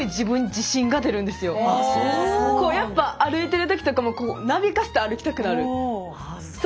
こうやっぱ歩いてる時とかもなびかせて歩きたくなる。